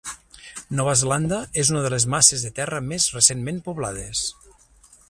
Nova Zelanda és una de les masses de terra més recentment poblades.